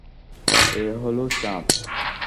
এ হলো চাঁদ।